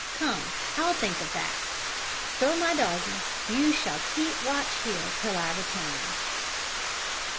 Come, I'll think of that. So, my doggie, you shall keep watch here until I return."